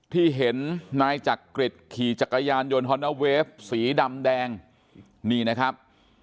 ที่เห็นนายจักริตขี่จักรยานยนต์ฮอนนาเวฟสีดำแดงนี่นะครับ